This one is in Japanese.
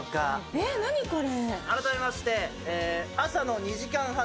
え、何これ？